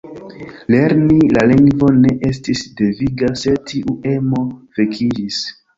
Lerni la lingvon ne estis deviga, sed tiu emo vekiĝis.